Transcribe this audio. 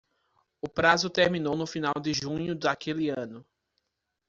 O prazo terminou no final de junho daquele ano.